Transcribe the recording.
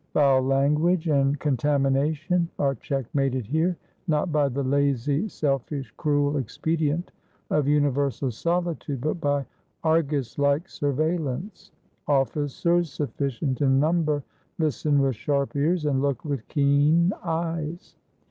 _ Foul language and contamination are checkmated here, not by the lazy, selfish, cruel expedient of universal solitude, but by Argus like surveillance. Officers, sufficient in number, listen with sharp ears, and look with keen eyes.